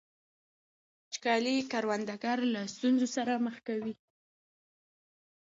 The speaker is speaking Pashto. وچکالي کروندګر له ستونزو سره مخ کوي.